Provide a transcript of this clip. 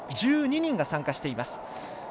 １２人が参加しています。